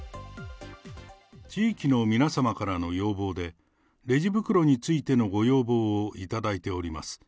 地域の皆様からの要望で、レジ袋についてのご要望を頂いております。